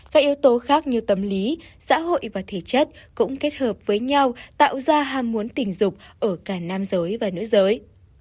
các yếu tố khác như tâm lý xã hội và thể chất cũng kết hợp với nhau tạo ra ham muốn tình dục ở cả nam giới và nữ giới